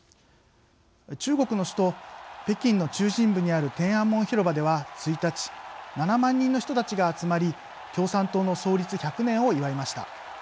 中国の首都、北京の中心部にある天安門広場では１日、７万人の人たちが集まり共産党の創立１００年を祝いました。